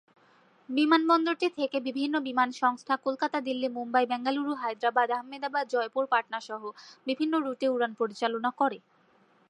বিমানবন্দরটি থেকে বিভিন্ন বিমান সংস্থা কলকাতা, দিল্লি, মুম্বই, বেঙ্গালুরু, হায়দ্রাবাদ, আহমেদাবাদ, জয়পুর, পাটনা সহ বিভিন্ন রুটে উড়ান পরিচালনা করে।